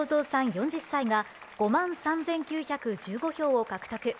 ４０歳が、５万３９１５票を獲得。